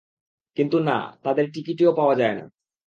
কিন্তু না, তাদের টিকিটিও পাওয়া যায় না।